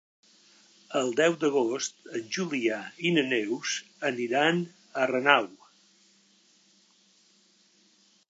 El deu d'agost en Julià i na Neus aniran a Renau.